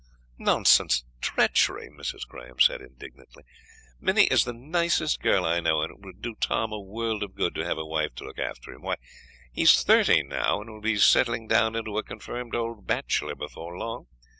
"Nonsense, treachery!" Mrs. Grantham said indignantly; "Minnie is the nicest girl I know, and it would do Tom a world of good to have a wife to look after him. Why, he is thirty now, and will be settling down into a confirmed old bachelor before long.